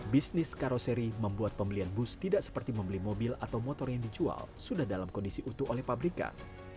bisnis karoseri membuat pembelian bus tidak seperti membeli mobil atau motor yang dijual sudah dalam kondisi utuh oleh pabrikan